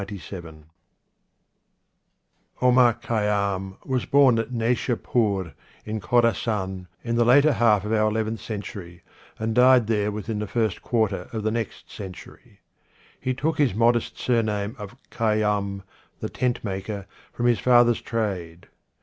X.XCVIU Omar Khayyam was born at Naishapur in Khorassan in the later half of our eleventh century, and died there within the first quarter of the next century. He took his modest surname of Khayyam, the Tentmaker, from his father's trade.